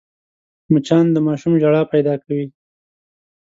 مچان د ماشوم ژړا پیدا کوي